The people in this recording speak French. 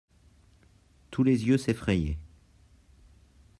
Tous les yeux s'effrayaient.